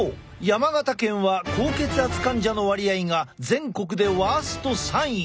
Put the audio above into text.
山形県は高血圧患者の割合が全国でワースト３位。